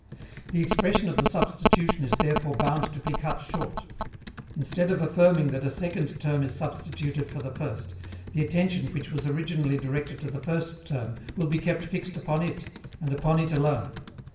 The expression of the substitution is therefore bound to be cut short. Instead of affirming that a second term is substituted for the first, the attention which was originally directed to the first term will be kept fixed upon it, and upon it alone.